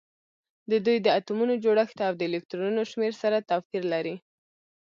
د دوی د اتومونو جوړښت او د الکترونونو شمیر سره توپیر لري